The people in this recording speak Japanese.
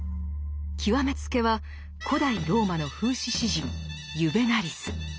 極め付けは古代ローマの風刺詩人ユヴェナリス。